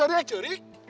hah dia tadi aja rik